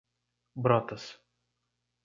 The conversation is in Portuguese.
Brotas